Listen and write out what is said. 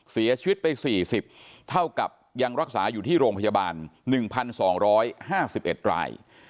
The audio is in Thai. เสียชีวิตไป๔๐เท่ากับยังรักษาอยู่ที่โรงพยาบาล๑๒๕๑ราย